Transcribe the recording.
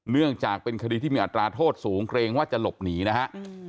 เนื่องจากเป็นคดีที่มีอัตราโทษสูงเกรงว่าจะหลบหนีนะฮะ